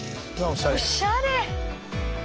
おしゃれ。